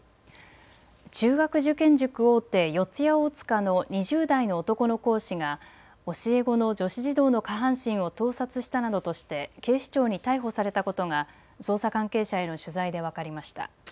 中学受験塾大手、四谷大塚の２０代の男の講師が教え子の女子児童の下半身を盗撮したなどとして警視庁に逮捕されたことが捜査関係者への取材で分かりました。